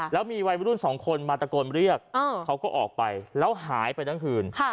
แล้วมีวัยรุ่นสองคนมาตะโกนเรียกเขาก็ออกไปแล้วหายไปทั้งคืน